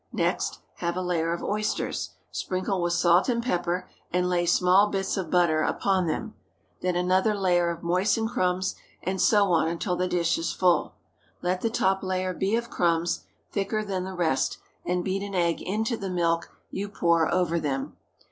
Next, have a layer of oysters. Sprinkle with salt and pepper, and lay small bits of butter upon them. Then another layer of moistened crumbs, and so on until the dish is full. Let the top layer be of crumbs, thicker than the rest, and beat an egg into the milk you pour over them.